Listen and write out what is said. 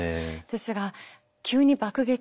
ですが急に爆撃。